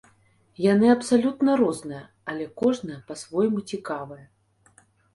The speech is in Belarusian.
Яны абсалютна розныя, але кожная па-свойму цікавая.